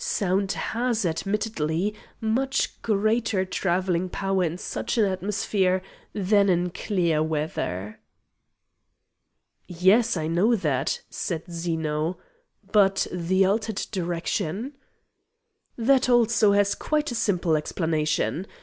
Sound has admittedly much greater travelling power in such an atmosphere than in clear weather." "Yes, I know that," said Zeno. "But the altered direction?" "That also has quite a simple explanation.